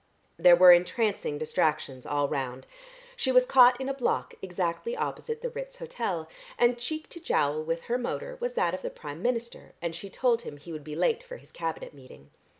There were entrancing distractions all round. She was caught in a block exactly opposite the Ritz Hotel, and cheek to jowl with her motor was that of the Prime Minister, and she told him he would be late for his Cabinet meeting.